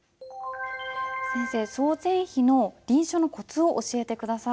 先生「曹全碑」の臨書のコツを教えて下さい。